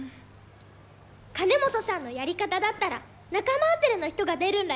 金本さんのやり方だったら仲間外れの人が出るんらよ。